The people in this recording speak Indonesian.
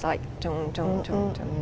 seperti dong dong dong dong